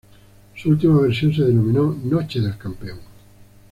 Su última versión se denominó Noche del Campeón.